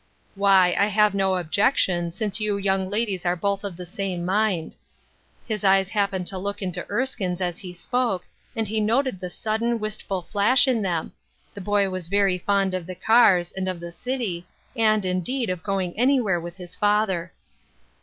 "Why, I have no objection, since you young ladies are both of the same mind." His eyes hap pened to look into Erskine's as he spoke, and he noted the sudden, wistful flash in them ; the boy was very fond of the cars, and of the city, and, indeed, of going anywhere with his father.